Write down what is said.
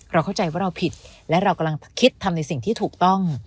เข้าใจว่าเราผิดและเรากำลังคิดทำในสิ่งที่ถูกต้อง